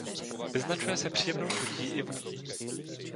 Vyznačuje se příjemnou chutí i vůní.